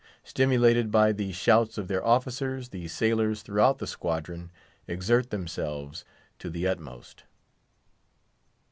Stimulated by the shouts of their officers, the sailors throughout the squadron exert themselves to the utmost.